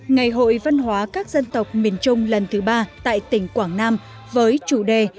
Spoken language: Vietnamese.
ngày hội văn hóa các dân tộc miền trung lần thứ ba tại tỉnh quảng nam với chủ đề